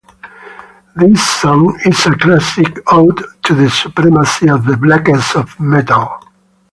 This song is a classic ode to the supremacy of the blackest of Metal.